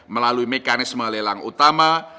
melalui mekanisme lelang utama